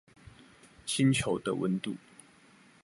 星球的溫度